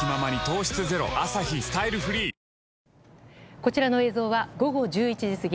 こちらの映像は午後１１時過ぎ